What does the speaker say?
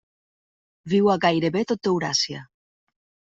Viu a gairebé tot Euràsia.